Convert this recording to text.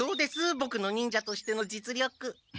ボクの忍者としての実力。